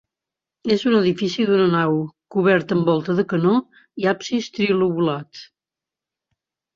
És un edifici d'una nau, coberta amb volta de canó, i absis trilobulat.